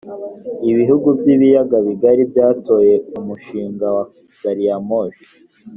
ibihugu by’ ibiyaga bigari byatoye umushinga wa gariyamoshi